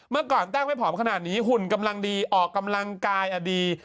เมื่อก่อนแต้งไม่ผอมขนาดนี้หุ่นกำลังดีออกกำลังกายดี